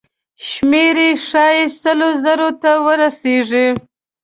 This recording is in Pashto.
شمېر یې ښایي سلو زرو ته ورسیږي.